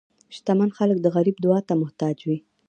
شتمن خلک د غریب دعا ته محتاج وي.